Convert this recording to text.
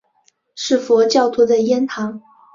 是佛教徒的庵堂。